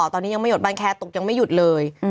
ตอนนี้ยังไม่หยุดบ้านแคสตกยังไม่หยุดเลย